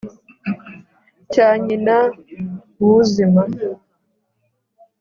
cyaa nyina w'úzima